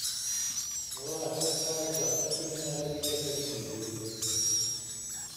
Ол ааспыт саас Дьахтар күнүнээҕи биэчэрдэри Лиза билэр